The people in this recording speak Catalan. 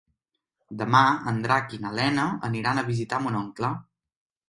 Demà en Drac i na Lena aniran a visitar mon oncle.